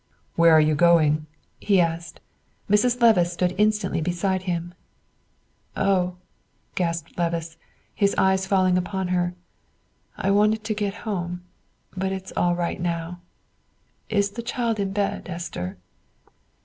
"Where are you going?" he asked. Mrs. Levice stood instantly beside him. "Oh," gasped Levice, his eyes falling upon her, "I wanted to get home; but it is all right now. Is the child in bed, Esther?"